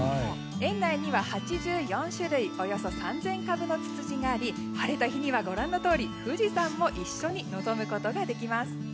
園内には８４種類およそ３０００株のツツジがあり晴れた日には、ご覧のとおり富士山も一緒に望むことができます。